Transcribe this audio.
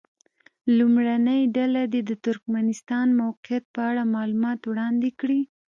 لومړۍ ډله دې د ترکمنستان موقعیت په اړه معلومات وړاندې کړي.